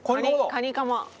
カニカマ。